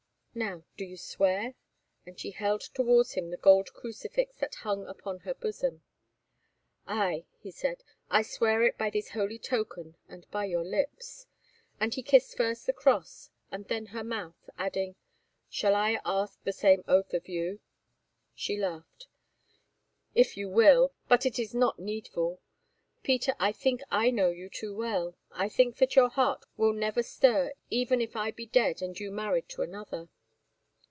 Now do you swear?" and she held towards him the gold crucifix that hung upon her bosom. "Aye," he said, "I swear it by this holy token and by your lips," and he kissed first the cross and then her mouth, adding, "Shall I ask the same oath of you?" She laughed. "If you will; but it is not needful. Peter, I think that I know you too well; I think that your heart will never stir even if I be dead and you married to another.